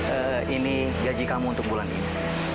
eh ini gaji kamu untuk bulan ini